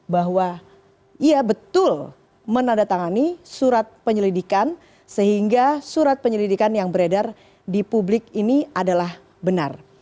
bahwa ia betul menandatangani surat penyelidikan sehingga surat penyelidikan yang beredar di publik ini adalah benar